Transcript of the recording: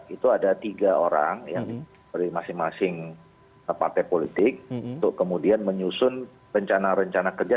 itu ada tiga orang yang dari masing masing partai politik untuk kemudian menyusun rencana rencana kerja